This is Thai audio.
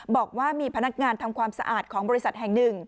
บอกว่ามีพนักงานทำความสะอาดของบริษัทแห่งหนึ่ง